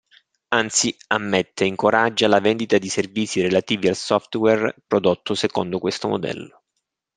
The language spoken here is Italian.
Anzi ammette e incoraggia la vendita di servizi relativi al software prodotto secondo questo modello.